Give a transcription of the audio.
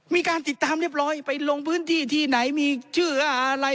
มีการติดตามเรียบร้อยไปลงพื้นที่ที่ไหนมีชื่ออะไร